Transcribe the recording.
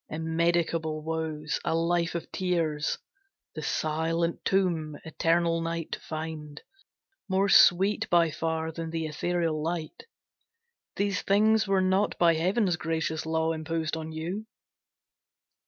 Immedicable woes, a life of tears, The silent tomb, eternal night, to find More sweet, by far, than the ethereal light, These things were not by heaven's gracious law Imposed on you.